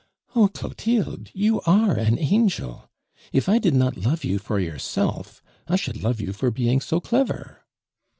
"Oh, Clotilde, you are an angel! If I did not love you for yourself, I should love you for being so clever."